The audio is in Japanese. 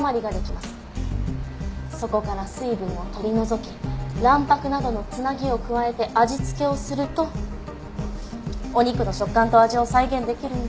そこから水分を取り除き卵白などの繋ぎを加えて味付けをするとお肉の食感と味を再現できるんです。